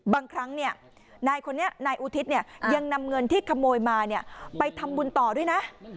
บางครั้งนายคนนี้นายอุทิศยังนำเงินที่ขโมยมาไปทำบุญต่อด้วยนะ